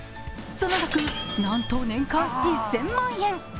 その額、なんと年間１０００万円。